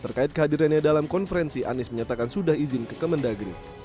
terkait kehadirannya dalam konferensi anies menyatakan sudah izin ke kemendagri